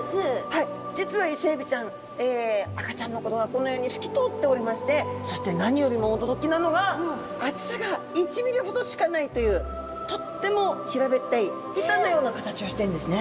はい実はイセエビちゃん赤ちゃんの頃はこのように透き通っておりましてそして何よりも驚きなのがというとっても平べったい板のような形をしてるんですね。